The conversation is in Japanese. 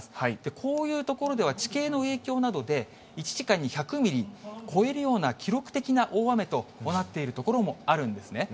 こういう所では、地形の影響などで、１時間に１００ミリ超えるような記録的な大雨となっている所もあるんですね。